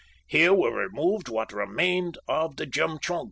Here were removed what remained of the Jemtchug.